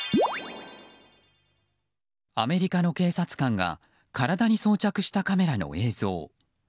アメリカの警察官が体に装着したカメラの映像。